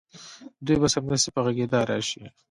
دوی به سمدستي په غږېدا راشي